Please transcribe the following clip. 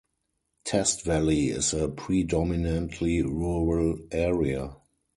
Test Valley is a predominantly rural area.